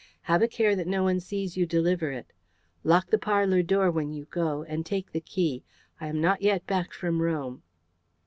Have a care that no one sees you deliver it. Lock the parlour door when you go, and take the key. I am not yet back from Rome."